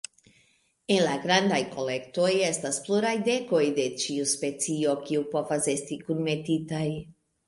En la grandaj kolektoj, estas pluraj dekoj de ĉiu specio kiuj povas esti kunmetitaj.